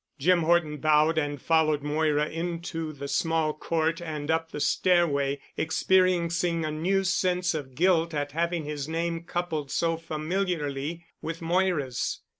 Jim Horton bowed and followed Moira into the small court and up the stairway, experiencing a new sense of guilt at having his name coupled so familiarly with Moira's.